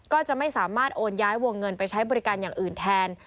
ก็จะไม่สามารถโอนย้ายวงเงินไปใช้บริการอย่างอื่นแทน